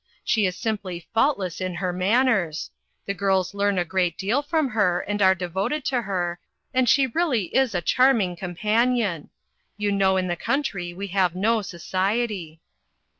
She is simply faultless in her manners ; the girls learn a great deal from her, and are devoted to her , and she really is a charming companion. You know in the country we have no so ciety."